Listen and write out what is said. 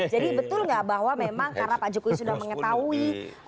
jadi betul nggak bahwa memang karena pak jokowi sudah mengetahui